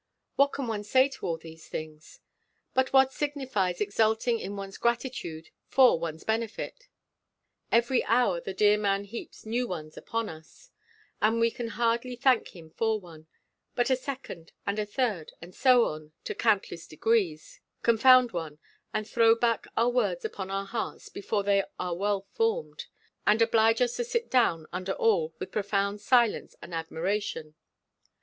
What can one say to all things? But what signifies exulting on one's gratitude for one benefit; every hour the dear man heaps new ones upon us, and we can hardly thank him for one, but a second, and a third, and so on to countless degrees, confound one, and throw back our words upon our hearts before they are well formed, and oblige us to sit down under all with profound silence and admiration.